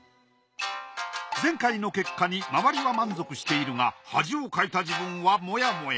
前回の結果に周りは満足しているが恥をかいた自分はモヤモヤ。